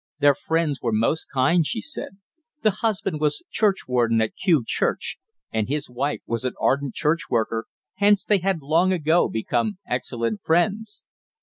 Their friends were most kind, she said. The husband was churchwarden at Kew Church, and his wife was an ardent church worker, hence they had long ago become excellent friends.